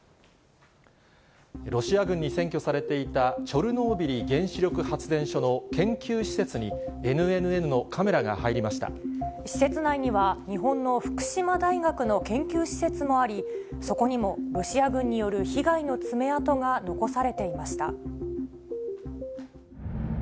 ロシア軍に占拠されていたチョルノービリ原子力発電所の研究施設施設内には、日本の福島大学の研究施設もあり、そこにもロシア軍による被害の爪痕が残されていました。